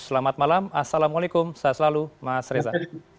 selamat malam assalamualaikum saya selalu mas reza